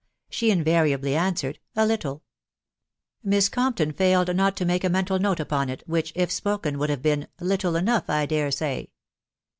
" she invariably answered, " A little,'* Miss Compton failed not to make a mental note upon it, which, if spoken, would have been, " Little enough, I dare say."